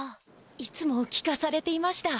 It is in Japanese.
いつも聞かされていました。